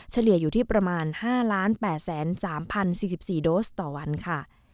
เฉลี่ยอยู่ที่ประมาณ๕๘๓๐๔๔โดสต่อวันค่ะ